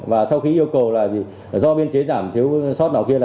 và sau khi yêu cầu là do biên chế giảm thiếu sót nào kia